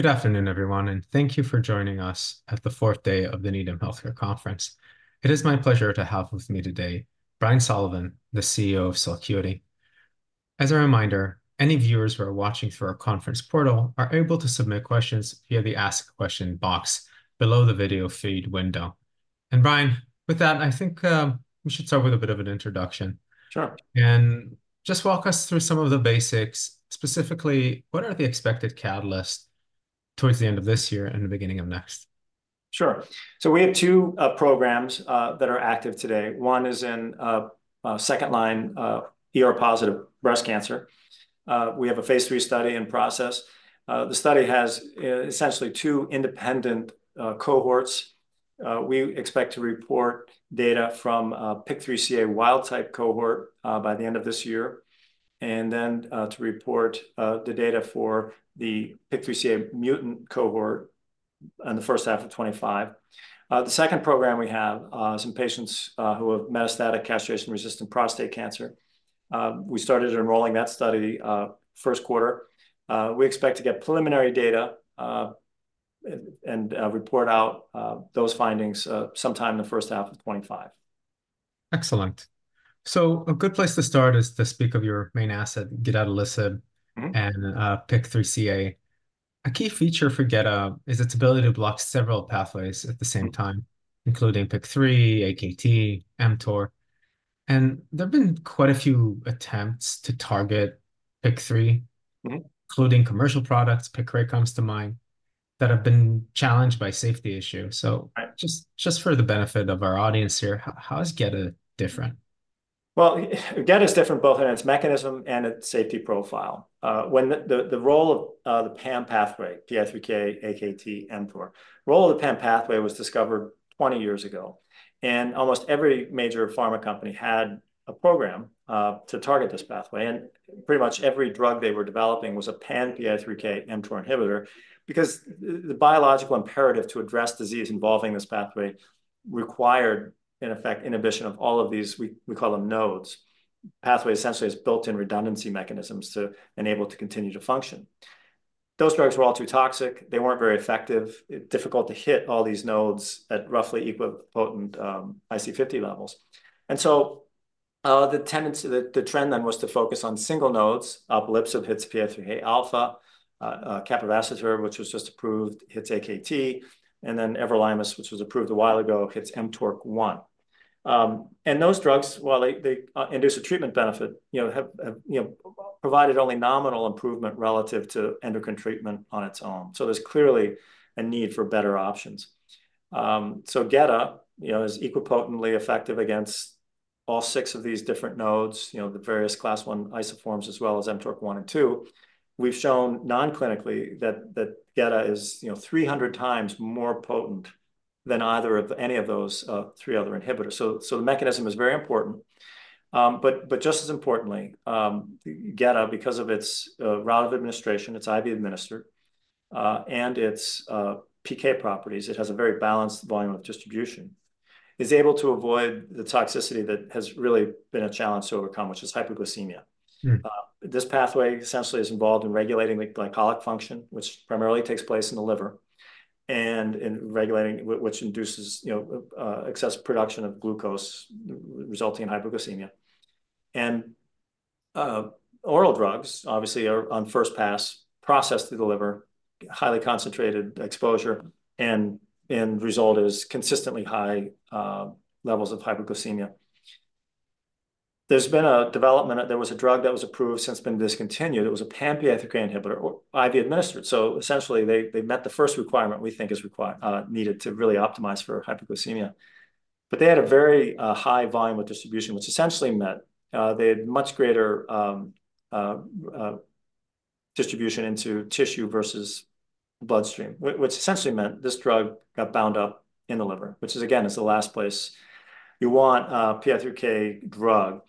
Good afternoon, everyone, and thank you for joining us at the 4th day of the Needham Healthcare Conference. It is my pleasure to have with me today Brian Sullivan, the CEO of Celcuity. As a reminder, any viewers who are watching through our conference portal are able to submit questions via the Ask Question box below the video feed window. Brian, with that, I think we should start with a bit of an introduction. Sure. Just walk us through some of the basics, specifically what are the expected catalysts toward the end of this year and the beginning of next? Sure. So we have two programs that are active today. One is in second-line positive breast cancer. We have a phase III study in process. The study has essentially two independent cohorts. We expect to report data from PIK3CA wild type cohort by the end of this year. And then to report the data for the PIK3CA mutant cohort in the first half of 2025. The second program we have is in patients who have metastatic castration-resistant prostate cancer. We started enrolling that study first quarter. We expect to get preliminary data and report out those findings sometime in the first half of 2025. Excellent. So a good place to start is to speak of your main asset, gedatolisib, and PIK3CA. A key feature for gedatolisib is its ability to block several pathways at the same time, including PI3K, AKT, mTOR. There've been quite a few attempts to target PI3K, including commercial products, Piqray comes to mind, that have been challenged by safety issues. So just for the benefit of our audience here, how is gedatolisib different? Well, gedatolisib is different both in its mechanism and its safety profile. When the role of the PAM pathway, PI3K, AKT, mTOR, role of the PAM pathway was discovered 20 years ago. Almost every major pharma company had a program to target this pathway, and pretty much every drug they were developing was a PAM PI3K mTOR inhibitor because the biological imperative to address disease involving this pathway required, in effect, inhibition of all of these. We call them nodes. Pathway essentially is built in redundancy mechanisms to enable to continue to function. Those drugs were all too toxic. They weren't very effective. Difficult to hit all these nodes at roughly equivalent potent IC50 levels. So the tendency, the trend, then was to focus on single nodes. Alpelisib hits PI3K alpha. Capivasertib, which was just approved, hits AKT. Then everolimus, which was approved a while ago, hits mTORC1. Those drugs, while they induce a treatment benefit, have provided only nominal improvement relative to endocrine treatment on its own. So there's clearly a need for better options. Gedatolisib is equally potently effective against all six of these different nodes, the various Class I isoforms, as well as mTORC1 and mTORC2. We've shown non-clinically that gedatolisib is 300 times more potent than either of any of those three other inhibitors. So the mechanism is very important. But just as importantly, gedatolisib, because of its route of administration, it's IV administered. And its PK properties, it has a very balanced volume of distribution, is able to avoid the toxicity that has really been a challenge to overcome, which is hypoglycemia. This pathway essentially is involved in regulating the gluconeogenic function, which primarily takes place in the liver. And in regulating, which induces excess production of glucose, resulting in hypoglycemia. And oral drugs obviously are on first pass, processed through the liver, highly concentrated exposure, and the result is consistently high levels of hypoglycemia. There's been a development. There was a drug that was approved since been discontinued. It was a pan-PI3K inhibitor, or IV administered. So essentially, they met the first requirement we think is needed to really optimize for hypoglycemia. But they had a very high volume of distribution, which essentially meant they had much greater distribution into tissue versus bloodstream, which essentially meant this drug got bound up in the liver, which is, again, is the last place you want PI3K drug.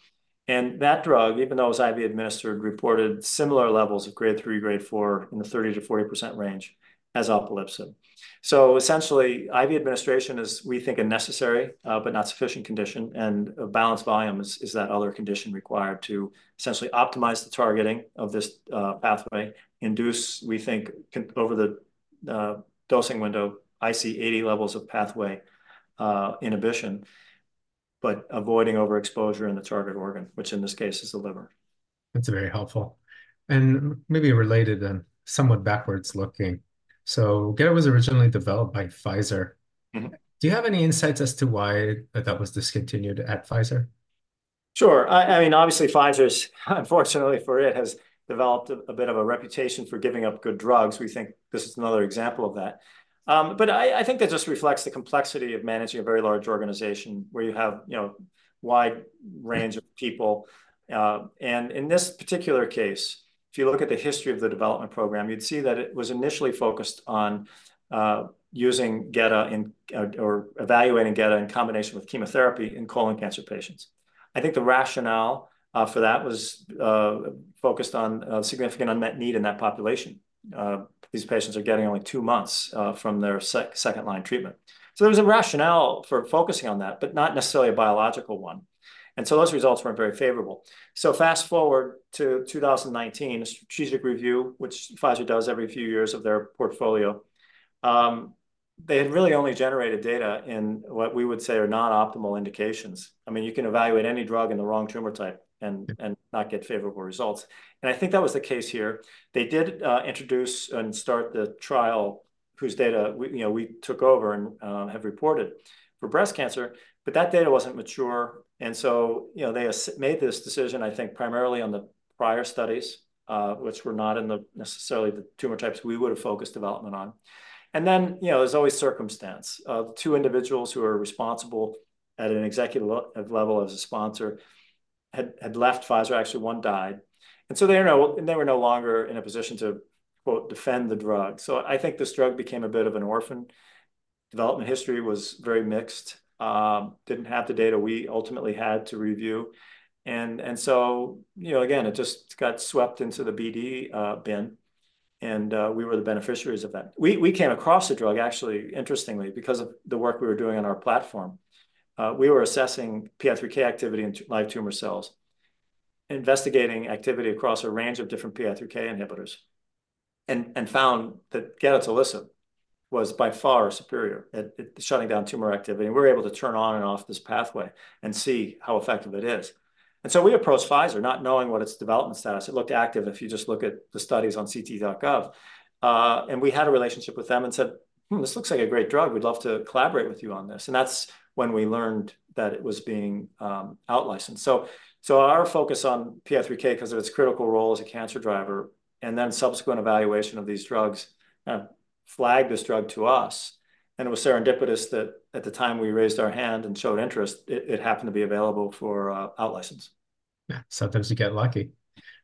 And that drug, even though it was IV administered, reported similar levels of grade three, grade four, in the 30%-40% range as alpelisib. So essentially, IV administration is, we think, a necessary but not sufficient condition. And a balanced volume is that other condition required to essentially optimize the targeting of this pathway, induce, we think, over the dosing window, IC80 levels of pathway inhibition. But avoiding overexposure in the target organ, which in this case is the liver. That's very helpful. And maybe related, then somewhat backwards looking. So gedatolisib was originally developed by Pfizer. Do you have any insights as to why that was discontinued at Pfizer? Sure. I mean, obviously, Pfizer, unfortunately for it, has developed a bit of a reputation for giving up good drugs. We think this is another example of that. But I think that just reflects the complexity of managing a very large organization where you have a wide range of people. And in this particular case, if you look at the history of the development program, you'd see that it was initially focused on using gedatolisib or evaluating gedatolisib in combination with chemotherapy in colon cancer patients. I think the rationale for that was focused on significant unmet need in that population. These patients are getting only 2 months from their second line treatment. So there was a rationale for focusing on that, but not necessarily a biological one. And so those results weren't very favorable. So fast forward to 2019, a strategic review, which Pfizer does every few years of their portfolio. They had really only generated data in what we would say are non-optimal indications. I mean, you can evaluate any drug in the wrong tumor type and not get favorable results. And I think that was the case here. They did introduce and start the trial whose data we took over and have reported for breast cancer. But that data wasn't mature. And so they made this decision, I think, primarily on the prior studies, which were not in necessarily the tumor types we would have focused development on. And then there's always circumstance. The two individuals who are responsible at an executive level as a sponsor had left. Actually, one died. And so they were no longer in a position to "defend" the drug. So I think this drug became a bit of an orphan. Development history was very mixed. Didn't have the data we ultimately had to review. And so, again, it just got swept into the BD bin. And we were the beneficiaries of that. We came across the drug, actually, interestingly, because of the work we were doing on our platform. We were assessing PI3K activity in live tumor cells. Investigating activity across a range of different PI3K inhibitors. And found that gedatolisib was by far superior at shutting down tumor activity. We're able to turn on and off this pathway and see how effective it is. And so we approached Pfizer not knowing what its development status. It looked active if you just look at the studies on CT.gov. And we had a relationship with them and said, this looks like a great drug. We'd love to collaborate with you on this." And that's when we learned that it was being outlicensed. So our focus on PI3K, because of its critical role as a cancer driver, and then subsequent evaluation of these drugs flagged this drug to us. And it was serendipitous that at the time we raised our hand and showed interest, it happened to be available for outlicense. Yeah. Sometimes you get lucky.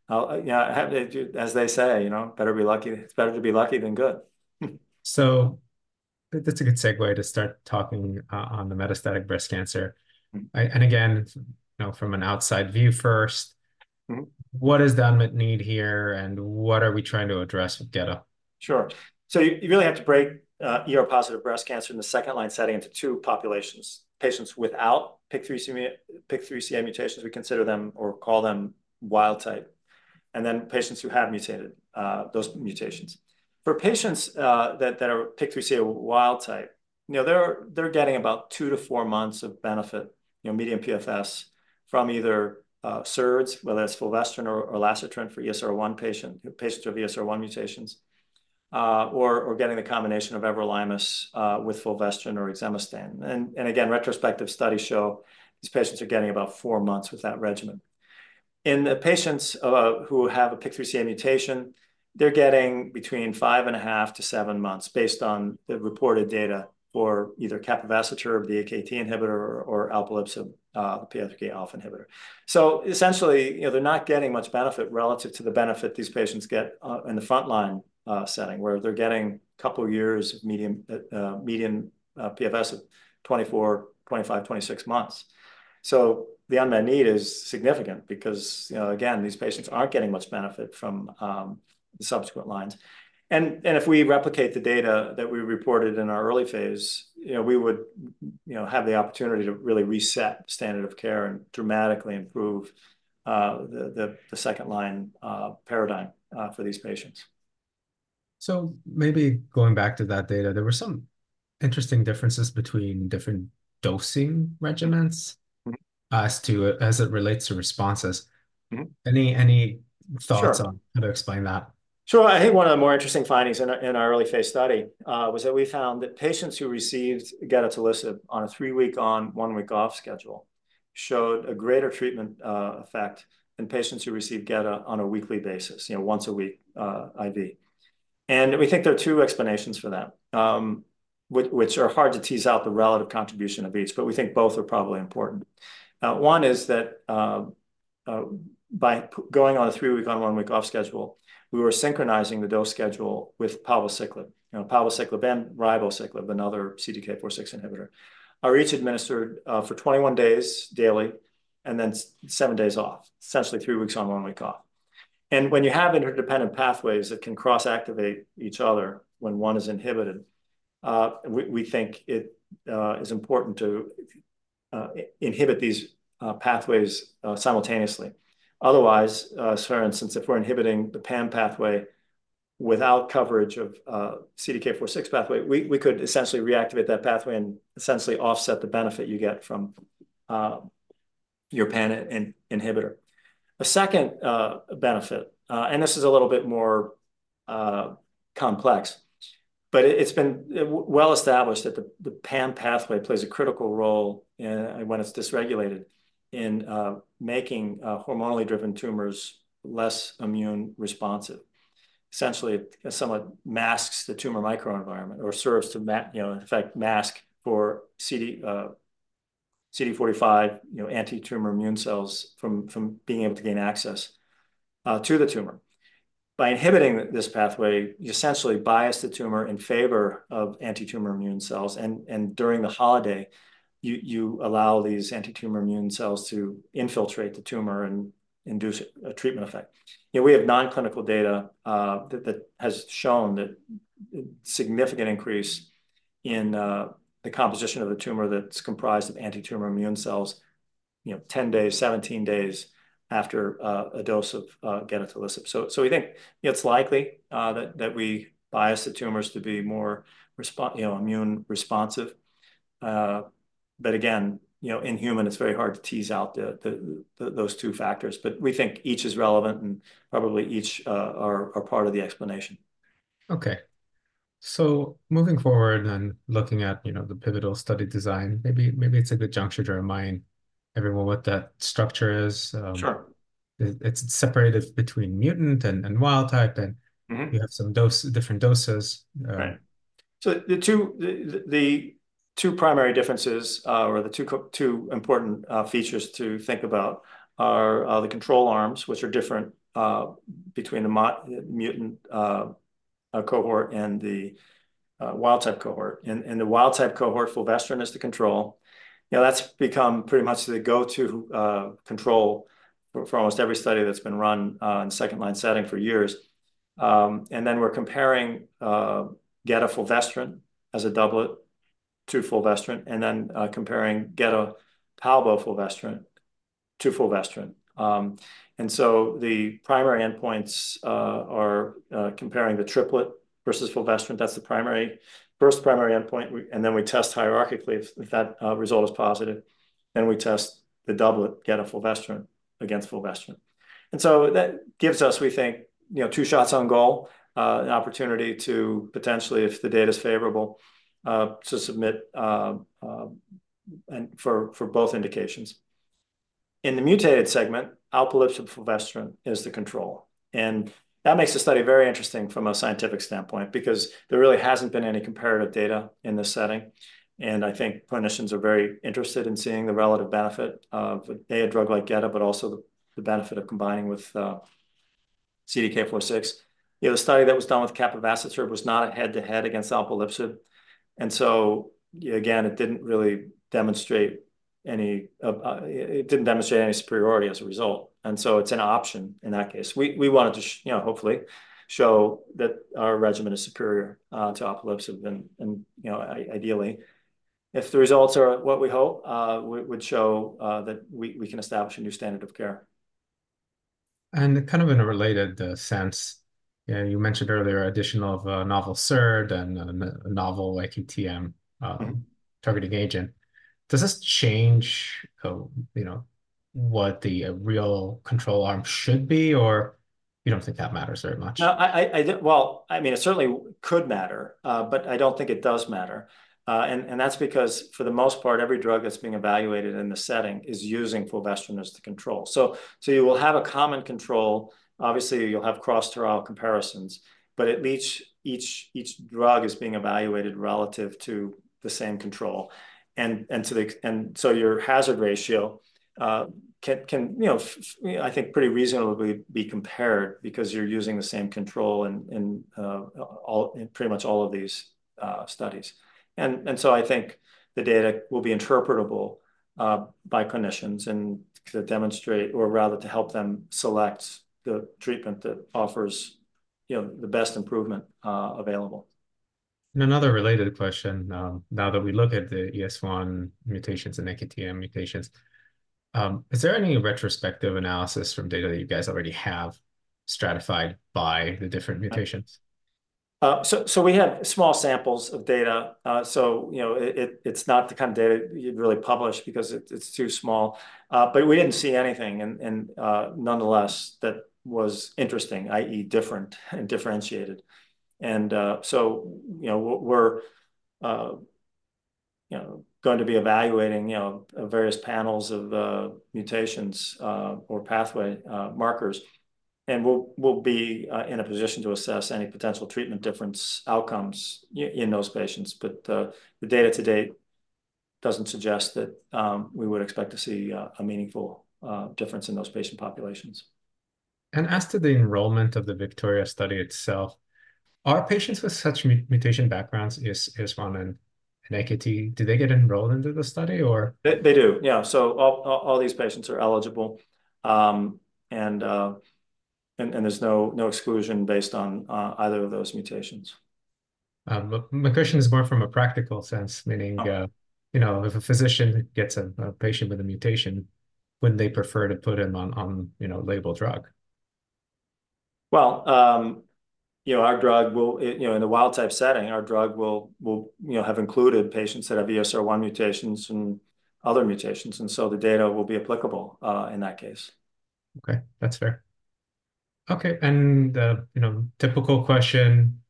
Yeah. As they say, better be lucky. It's better to be lucky than good. That's a good segue to start talking on the metastatic breast cancer. Again, from an outside view first. What is the unmet need here, and what are we trying to address with gedatolisib? Sure. So you really have to break positive breast cancer in the second line setting into 2 populations. Patients without PIK3CA mutations, we consider them or call them wild type. And then patients who have mutated those mutations. For patients that are PIK3CA wild type, they're getting about 2-4 months of benefit, median PFS, from either SERDs, whether it's fulvestrant or elacestrant for ESR1 patients, patients who have ESR1 mutations. Or getting the combination of everolimus with fulvestrant or exemestane. And again, retrospective studies show these patients are getting about 4 months with that regimen. In the patients who have a PIK3CA mutation, they're getting between 5.5-7 months, based on the reported data for either capivasertib, the AKT inhibitor, or alpelisib PI3K alpha inhibitor. So essentially, they're not getting much benefit relative to the benefit these patients get in the front line setting, where they're getting a couple of years of median PFS, 24, 25, 26 months. So the unmet need is significant, because, again, these patients aren't getting much benefit from the subsequent lines. And if we replicate the data that we reported in our early phase, we would have the opportunity to really reset standard of care and dramatically improve the second line paradigm for these patients. Maybe going back to that data, there were some interesting differences between different dosing regimens as it relates to responses. Any thoughts on how to explain that? Sure. I think one of the more interesting findings in our early phase study was that we found that patients who received gedatolisib on a three week on, one week off schedule showed a greater treatment effect than patients who received gedatolisib on a weekly basis, once a week IV. And we think there are two explanations for that. Which are hard to tease out the relative contribution of each, but we think both are probably important. One is that by going on a three week on, one week off schedule, we were synchronizing the dose schedule with palbociclib, palbociclib and ribociclib, another CDK4/6 inhibitor. Are each administered for 21 days daily. And then seven days off, essentially three weeks on, one week off. When you have interdependent pathways that can cross activate each other when one is inhibited, we think it is important to inhibit these pathways simultaneously. Otherwise, for instance, if we're inhibiting the PAM pathway without coverage of CDK4/6 pathway, we could essentially reactivate that pathway and essentially offset the benefit you get from your PAM inhibitor. A second benefit, and this is a little bit more complex. But it's been well established that the PAM pathway plays a critical role, when it's dysregulated, in making hormonally driven tumors less immune responsive. Essentially, it somewhat masks the tumor microenvironment, or serves to, in fact, mask for CD45 anti-tumor immune cells from being able to gain access to the tumor. By inhibiting this pathway, you essentially bias the tumor in favor of anti-tumor immune cells. During the holiday, you allow these anti-tumor immune cells to infiltrate the tumor and induce a treatment effect. We have non-clinical data that has shown that significant increase in the composition of the tumor that's comprised of anti-tumor immune cells 10 days, 17 days after a dose of gedatolisib. So we think it's likely that we bias the tumors to be more immune responsive. But again, in human, it's very hard to tease out those two factors. But we think each is relevant, and probably each are part of the explanation. Okay. Moving forward, then looking at the pivotal study design, maybe it's a good juncture to remind everyone what that structure is. Sure. It's separated between mutant and wild type, and you have some different doses. Right. So the two primary differences, or the two important features to think about, are the control arms, which are different between the mutant cohort and the wild type cohort. The wild type cohort, fulvestrant is the control. That's become pretty much the go-to control for almost every study that's been run in second line setting for years. We're comparing gedatolisib fulvestrant as a doublet to fulvestrant, and then comparing gedatolisib palbociclib fulvestrant to fulvestrant. The primary endpoints are comparing the triplet versus fulvestrant. That's the first primary endpoint. We test hierarchically if that result is positive. We test the doublet, gedatolisib fulvestrant, against fulvestrant. That gives us, we think, two shots on goal. An opportunity to potentially, if the data is favorable, to submit for both indications. In the mutated segment, alpelisib fulvestrant is the control. That makes the study very interesting from a scientific standpoint, because there really hasn't been any comparative data in this setting. I think clinicians are very interested in seeing the relative benefit of a drug like gedatolisib, but also the benefit of combining with CDK4/6. The study that was done with capivasertib was not a head to head against alpelisib. And so again, it didn't really demonstrate any superiority as a result. And so it's an option in that case. We wanted to, hopefully, show that our regimen is superior to alpelisib. And ideally, if the results are what we hope, we would show that we can establish a new standard of care. Kind of in a related sense, you mentioned earlier addition of novel SERD and novel AKT targeting agent. Does this change what the real control arm should be, or you don't think that matters very much? Well, I mean, it certainly could matter. But I don't think it does matter. And that's because, for the most part, every drug that's being evaluated in the setting is using fulvestrant as the control. So you will have a common control. Obviously, you'll have cross-trial comparisons. But each drug is being evaluated relative to the same control. And so your hazard ratio can, I think, pretty reasonably be compared, because you're using the same control in pretty much all of these studies. And so I think the data will be interpretable by clinicians and to demonstrate, or rather to help them select the treatment that offers the best improvement available. Another related question, now that we look at the ESR1 mutations and AKT mutations. Is there any retrospective analysis from data that you guys already have stratified by the different mutations? So we have small samples of data. So it's not the kind of data you'd really publish because it's too small. But we didn't see anything, nonetheless, that was interesting, i.e., different and differentiated. And so we're going to be evaluating various panels of mutations or pathway markers. And we'll be in a position to assess any potential treatment difference outcomes in those patients. But the data to date doesn't suggest that we would expect to see a meaningful difference in those patient populations. As to the enrollment of the VIKTORIA-1 study itself. Are patients with such mutation backgrounds, ESR1 and AKT, do they get enrolled into the study, or? They do. Yeah. All these patients are eligible. There's no exclusion based on either of those mutations. My question is more from a practical sense, meaning if a physician gets a patient with a mutation, wouldn't they prefer to put him on labeled drug? Well, our drug will, in the wild type setting, our drug will have included patients that have ESR1 mutations and other mutations. And so the data will be applicable in that case. Okay. That's fair. Okay. And typical question.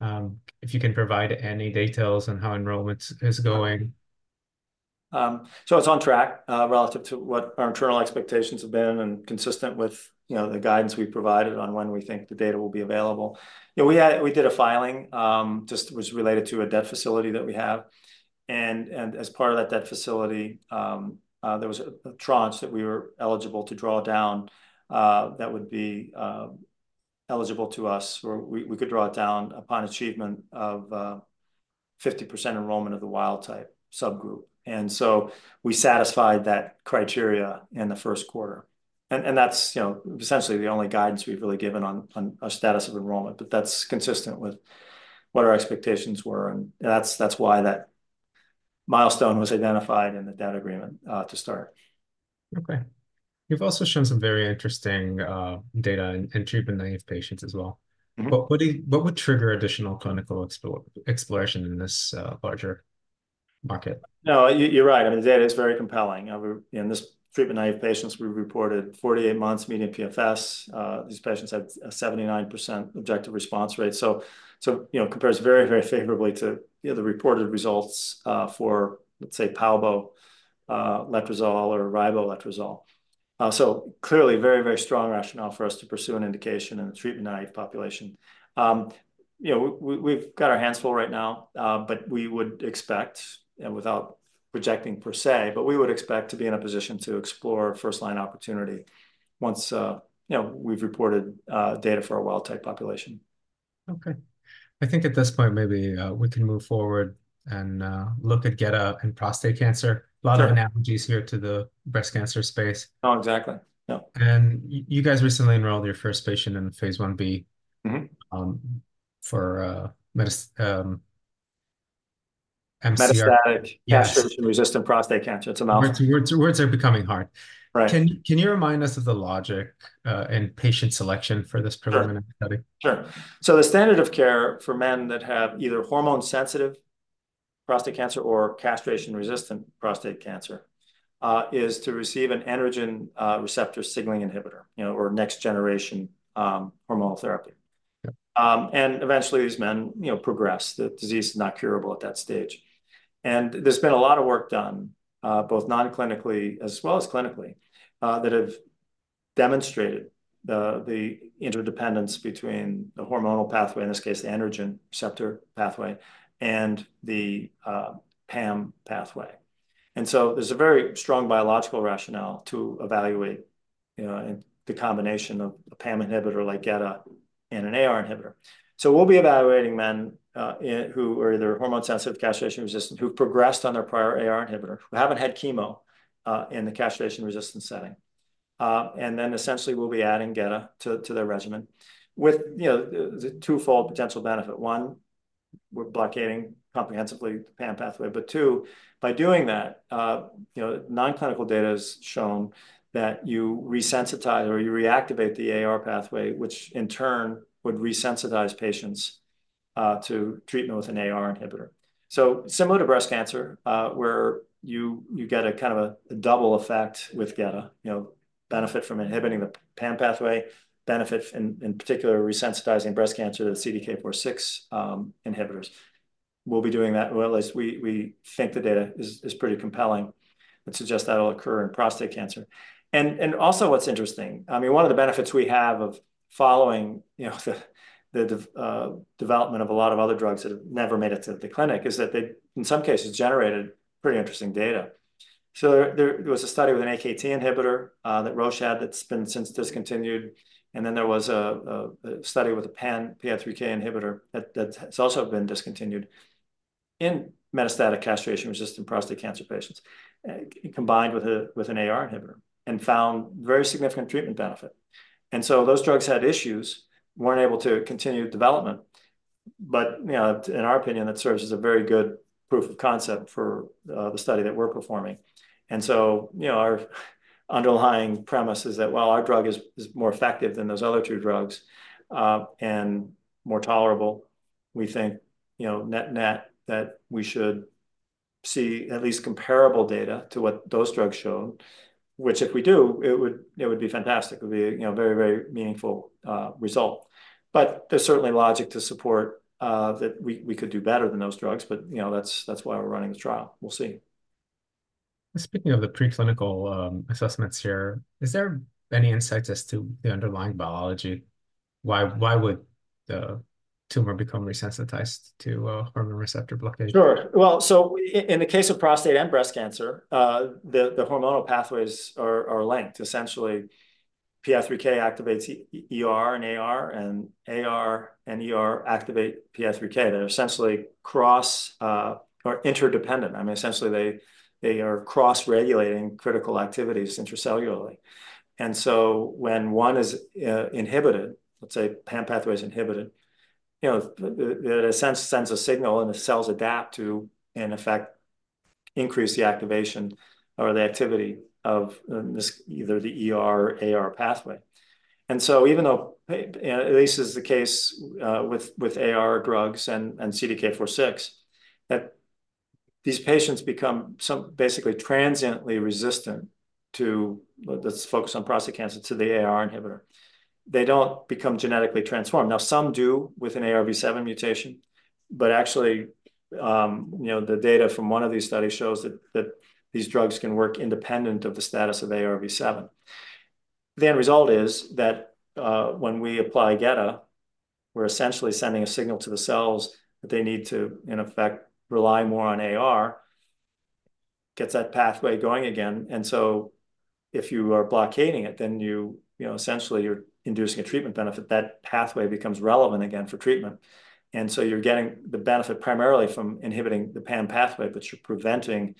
If you can provide any details on how enrollment is going? It's on track relative to what our internal expectations have been and consistent with the guidance we provided on when we think the data will be available. We did a filing that was related to a debt facility that we have. As part of that debt facility, there was a tranche that we were eligible to draw down that would be eligible to us, where we could draw it down upon achievement of 50% enrollment of the wild type subgroup. We satisfied that criteria in the first quarter. That's essentially the only guidance we've really given on our status of enrollment. But that's consistent with what our expectations were. That's why that milestone was identified in the debt agreement to start. Okay. You've also shown some very interesting data in treatment naive patients as well. What would trigger additional clinical exploration in this larger market? No, you're right. I mean, the data is very compelling. In this treatment naive patients, we reported 48 months median PFS. These patients had a 79% objective response rate. So compares very, very favorably to the reported results for, let's say, palbo, letrozole, or ribociclib letrozole. So clearly, very, very strong rationale for us to pursue an indication in the treatment naive population. We've got our hands full right now. But we would expect, without projecting per se, but we would expect to be in a position to explore first line opportunity once we've reported data for a wild type population. Okay. I think at this point, maybe we can move forward and look at gedatolisib and prostate cancer. A lot of analogies here to the breast cancer space. No, exactly. You guys recently enrolled your first patient in phase I-b for mCRPC. Metastatic castration-resistant prostate cancer. It's a mouthful. Words are becoming hard. Can you remind us of the logic in patient selection for this preliminary study? Sure. So the standard of care for men that have either hormone-sensitive prostate cancer or castration-resistant prostate cancer is to receive an androgen receptor signaling inhibitor, or next-generation hormonal therapy. Eventually, these men progress. The disease is not curable at that stage. There's been a lot of work done, both non-clinically as well as clinically, that have demonstrated the interdependence between the hormonal pathway, in this case, the androgen receptor pathway, and the PAM pathway. So there's a very strong biological rationale to evaluate the combination of a PAM inhibitor like gedatolisib and an AR inhibitor. So we'll be evaluating men who are either hormone-sensitive, castration-resistant, who've progressed on their prior AR inhibitor, who haven't had chemo in the castration-resistant setting. And then essentially, we'll be adding gedatolisib to their regimen. With the twofold potential benefit. One, we're blocking comprehensively the PAM pathway. But two, by doing that, non-clinical data has shown that you resensitize or you reactivate the AR pathway, which in turn would resensitize patients to treatment with an AR inhibitor. So similar to breast cancer, where you get a kind of a double effect with gedatolisib. Benefit from inhibiting the PAM pathway. Benefit, in particular, resensitizing breast cancer to the CDK4/6 inhibitors. We'll be doing that. Well, at least we think the data is pretty compelling to suggest that'll occur in prostate cancer. And also what's interesting, I mean, one of the benefits we have of following the development of a lot of other drugs that have never made it to the clinic is that they, in some cases, generated pretty interesting data. So there was a study with an AKT inhibitor that Roche had that's been since discontinued. Then there was a study with a pan-PI3K inhibitor that's also been discontinued in metastatic castration-resistant prostate cancer patients, combined with an AR inhibitor, and found very significant treatment benefit. So those drugs had issues, weren't able to continue development. But in our opinion, that serves as a very good proof of concept for the study that we're performing. So our underlying premise is that while our drug is more effective than those other two drugs and more tolerable, we think net net that we should see at least comparable data to what those drugs showed. Which if we do, it would be fantastic. It would be a very, very meaningful result. But there's certainly logic to support that we could do better than those drugs. But that's why we're running the trial. We'll see. Speaking of the preclinical assessments here, is there any insights as to the underlying biology? Why would the tumor become resensitized to hormone receptor blockage? Sure. Well, so in the case of prostate and breast cancer, the hormonal pathways are linked. Essentially, PI3K activates AR, and AR activates PI3K. They're essentially cross or interdependent. I mean, essentially, they are cross regulating critical activities intracellularly. And so when one is inhibited, let's say PAM pathway is inhibited, it in a sense sends a signal and the cells adapt to, in effect, increase the activation or the activity of either the or AR pathway. And so even though, at least in the case with AR drugs and CDK4/6, these patients become basically transiently resistant to—let's focus on prostate cancer—to the AR inhibitor. They don't become genetically transformed. Now, some do with an AR-V7 mutation. But actually, the data from one of these studies shows that these drugs can work independent of the status of AR-V7. The end result is that when we apply gedatolisib, we're essentially sending a signal to the cells that they need to, in effect, rely more on AR. It gets that pathway going again. And so if you are blockading it, then essentially, you're inducing a treatment benefit. That pathway becomes relevant again for treatment. And so you're getting the benefit primarily from inhibiting the PAM pathway, but you're preventing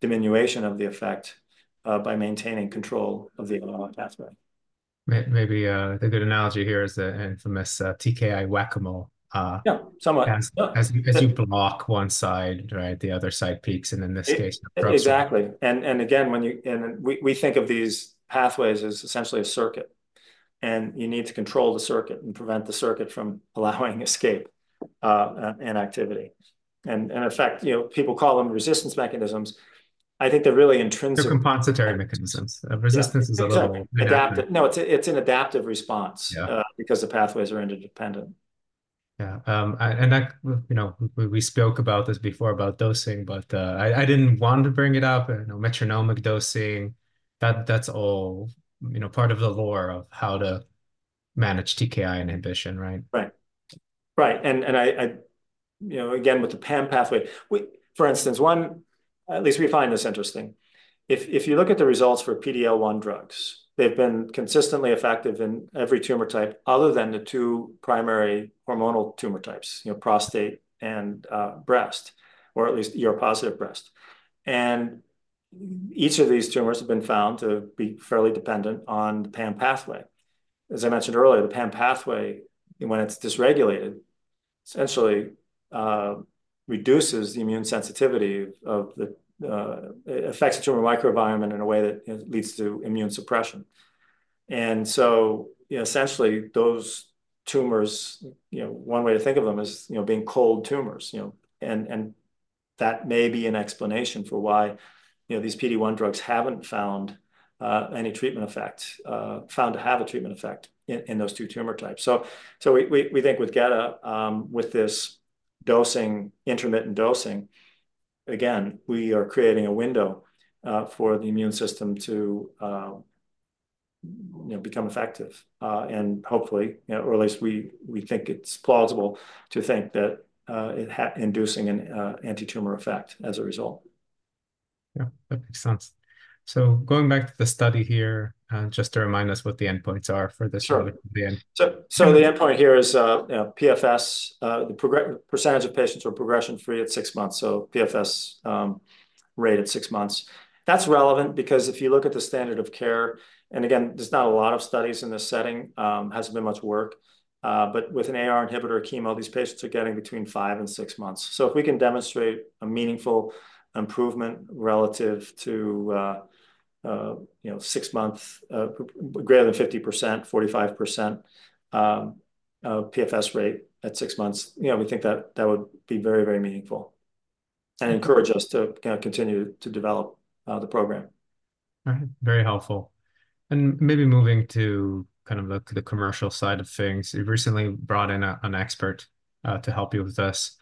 diminution of the effect by maintaining control of the AR pathway. Maybe the good analogy here is the infamous TKI whack-a-mole. Yeah, somewhat. As you block one side, right? The other side peaks. And in this case. Exactly. Again, when you and we think of these pathways as essentially a circuit. You need to control the circuit and prevent the circuit from allowing escape and activity. In effect, people call them resistance mechanisms. I think they're really intrinsic. They're compensatory mechanisms. Resistance is a little. Adaptive. No, it's an adaptive response because the pathways are interdependent. Yeah. And we spoke about this before, about dosing. But I didn't want to bring it up. Metronomic dosing. That's all part of the lore of how to manage TKI inhibition, right? Right. Right. And again, with the PAM pathway, for instance, one, at least we find this interesting. If you look at the results for PD-L1 drugs, they've been consistently effective in every tumor type other than the two primary hormonal tumor types, prostate and breast, or at least positive breast. And each of these tumors have been found to be fairly dependent on the PAM pathway. As I mentioned earlier, the PAM pathway, when it's dysregulated, essentially reduces the immune sensitivity and affects the tumor microenvironment in a way that leads to immune suppression. And so essentially, those tumors, one way to think of them is being cold tumors. And that may be an explanation for why these PD-L1 drugs haven't found any treatment effect, found to have a treatment effect in those two tumor types. We think with gedatolisib, with this intermittent dosing, again, we are creating a window for the immune system to become effective. Hopefully, or at least we think it's plausible to think that it's inducing an anti-tumor effect as a result. Yeah. That makes sense. So going back to the study here, just to remind us what the endpoints are for this really quickly. Sure. So the endpoint here is PFS, the percentage of patients who are progression-free at 6 months. So PFS rate at 6 months. That's relevant because if you look at the standard of care, and again, there's not a lot of studies in this setting. It hasn't been much work. But with an AR inhibitor or chemo, these patients are getting between 5-6 months. So if we can demonstrate a meaningful improvement relative to 6 months, greater than 50%, 45% PFS rate at 6 months, we think that would be very, very meaningful. And encourage us to continue to develop the program. All right. Very helpful. And maybe moving to kind of the commercial side of things. You've recently brought in an expert to help you with this.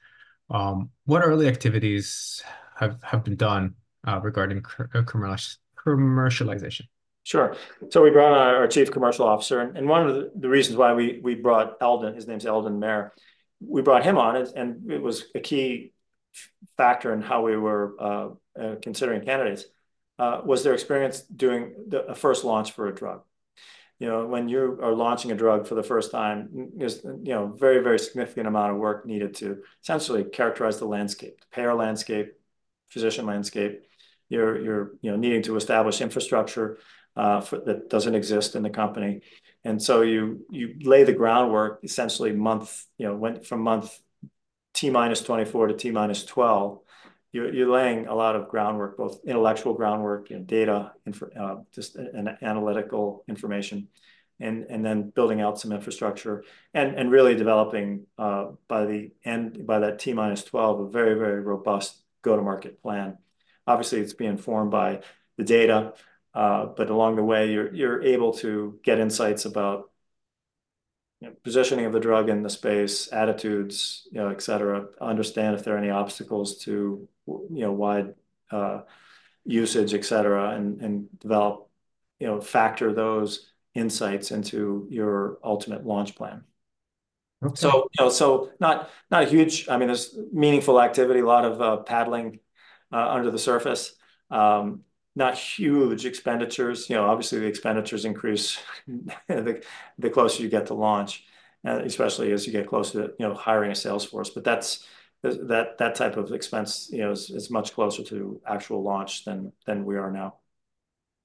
What early activities have been done regarding commercialization? Sure. So we brought on our Chief Commercial Officer. And one of the reasons why we brought Eldon, his name's Eldon Mayer. We brought him on. And it was a key factor in how we were considering candidates. Was their experience doing a first launch for a drug. When you are launching a drug for the first time, there's a very, very significant amount of work needed to essentially characterize the landscape, the payer landscape, physician landscape. You're needing to establish infrastructure that doesn't exist in the company. And so you lay the groundwork essentially month from month T-24 to T-12. You're laying a lot of groundwork, both intellectual groundwork, data, just analytical information. And then building out some infrastructure. And really developing by the end, by that T-12, a very, very robust go-to-market plan. Obviously, it's being formed by the data. But along the way, you're able to get insights about positioning of the drug in the space, attitudes, etc. Understand if there are any obstacles to wide usage, etc. And factor those insights into your ultimate launch plan. So not a huge I mean, there's meaningful activity, a lot of paddling under the surface. Not huge expenditures. Obviously, the expenditures increase the closer you get to launch, especially as you get closer to hiring a sales force. But that type of expense is much closer to actual launch than we are now.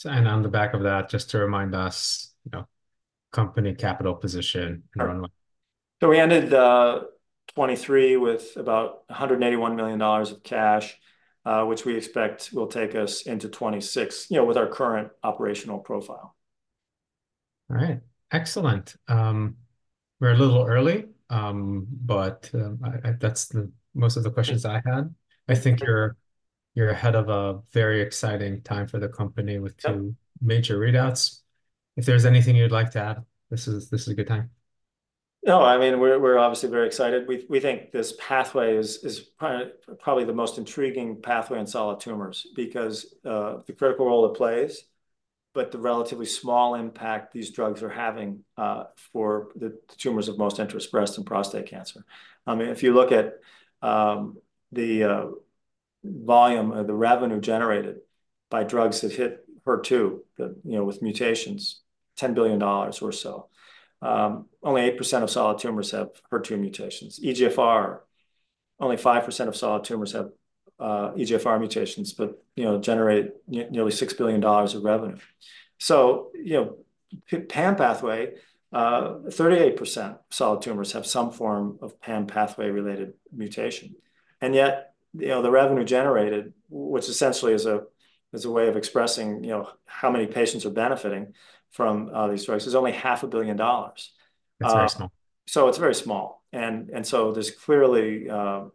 On the back of that, just to remind us, company capital position and runway. We ended 2023 with about $181 million of cash, which we expect will take us into 2026 with our current operational profile. All right. Excellent. We're a little early. But that's most of the questions I had. I think you're ahead of a very exciting time for the company with 2 major readouts. If there's anything you'd like to add, this is a good time. No. I mean, we're obviously very excited. We think this pathway is probably the most intriguing pathway in solid tumors because of the critical role it plays, but the relatively small impact these drugs are having for the tumors of most interest, breast and prostate cancer. I mean, if you look at the volume of the revenue generated by drugs that hit HER2 with mutations, $10 billion or so. Only 8% of solid tumors have HER2 mutations. EGFR, only 5% of solid tumors have EGFR mutations, but generate nearly $6 billion of revenue. So PAM pathway, 38% of solid tumors have some form of PAM pathway related mutation. And yet, the revenue generated, which essentially is a way of expressing how many patients are benefiting from these drugs, is only $500 million. That's very small. It's very small. There's clearly a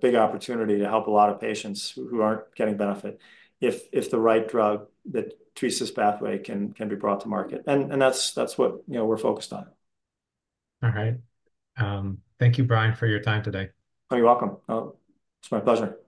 big opportunity to help a lot of patients who aren't getting benefit if the right drug that treats this pathway can be brought to market. That's what we're focused on. All right. Thank you, Brian, for your time today. Oh, you're welcome. It's my pleasure.